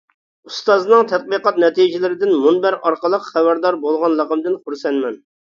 ئۇستازنىڭ تەتقىقات نەتىجىلىرىدىن مۇنبەر ئارقىلىق خەۋەردار بولغانلىقىمدىن خۇرسەنمەن!